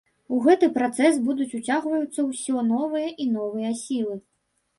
У гэты працэс будуць уцягваюцца ўсё новыя і новыя сілы.